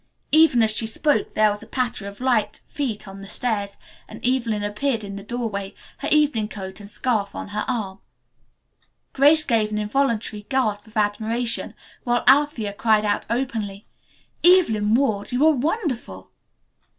Even as she spoke there was a patter of light feet on the stairs, and Evelyn appeared in the doorway, her evening coat and scarf on her arm. Grace gave an involuntary gasp of admiration, while Althea cried out openly, "Evelyn Ward, you are wonderful!"